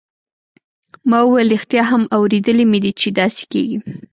ما وویل ریښتیا هم اوریدلي مې دي چې داسې کیږي.